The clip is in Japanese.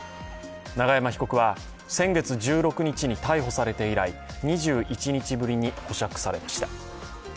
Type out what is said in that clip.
永山被告は先月１６日に逮捕されて以来２１日ぶりに保釈されました。